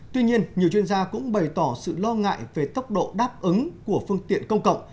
tuy nhiên nhiều chuyên gia cũng bày tỏ sự lo ngại về tốc độ đáp ứng của phương tiện công cộng